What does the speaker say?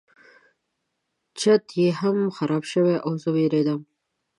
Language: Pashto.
چت یې هم خراب شوی و زه وویرېدم.